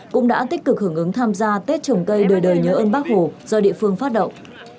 cũng đã tích cực hưởng ứng tham gia tết trồng cây đời đời nhớ ơn bác hồ do địa phương phát động